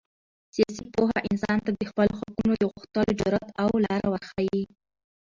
سیاسي پوهه انسان ته د خپلو حقونو د غوښتلو جرات او لاره ورښیي.